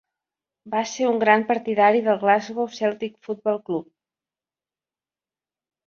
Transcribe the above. Va ser un gran partidari del Glasgow Celtic Football Club.